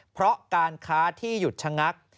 เพราะการค้าที่หยุดชะงัก